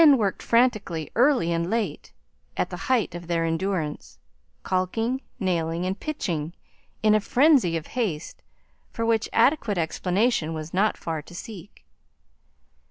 Men worked frantically, early and late, at the height of their endurance, caulking, nailing, and pitching in a frenzy of haste for which adequate explanation was not far to seek.